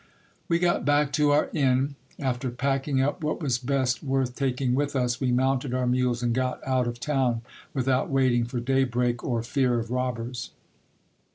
We got back to our inn. After packing up what was best worth taking with us, we mounted our mules, and got out of town, without waiting for daybreak or fear of robbers.